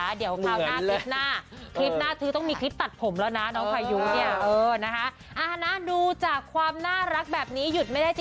เหมือนเลย